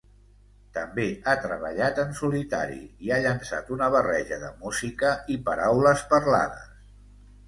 També ha treballat en solitari i ha llançat una barreja de música i paraules parlades.